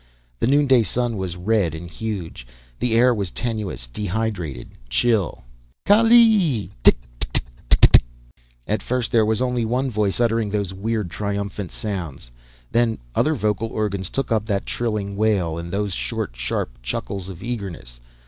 The noon day Sun was red and huge. The air was tenuous, dehydrated, chill. "Kaalleee!... Tik, tik, tik!..." At first there was only one voice uttering those weird, triumphant sounds. Then other vocal organs took up that trilling wail, and those short, sharp chuckles of eagerness.